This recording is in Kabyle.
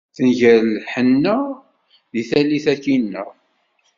Tenger lemḥenna deg tallit-a-nneɣ.